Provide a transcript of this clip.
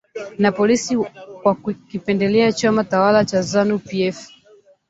Na polisi kwa kukipendelea chama tawala cha Zanu PF